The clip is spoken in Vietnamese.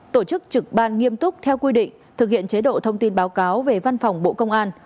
tổ chức trực ban nghiêm túc theo quy định thực hiện chế độ thông tin báo cáo về văn phòng bộ công an